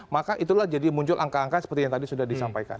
maka itulah jadi muncul angka angka seperti yang tadi sudah disampaikan